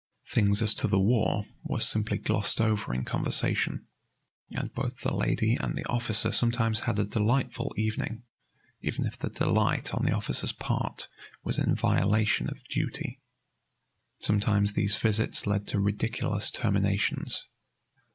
Things as to the war were simply glossed over in conversation, and both the lady and the officer sometimes had a delightful evening, even if the delight on the officer's part was in violation of duty. Sometimes these visits led to ridiculous terminations.